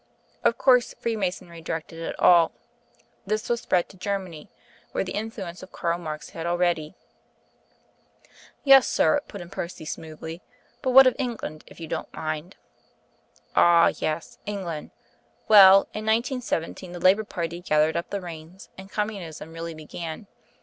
Of course, Freemasonry directed it all. This spread to Germany, where the influence of Karl Marx had already " "Yes, sir," put in Percy smoothly, "but what of England, if you don't mind " "Ah, yes; England. Well, in 1917 the Labour party gathered up the reins, and Communism really began.